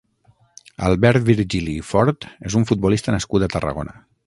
Albert Virgili i Fort és un futbolista nascut a Tarragona.